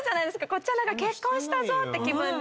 こっちは結婚したぞって気分で。